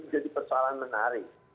jadi persoalan menarik